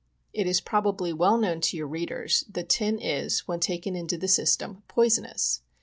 It is probably well known to your readers that tin is, when taken into the system, poisonous.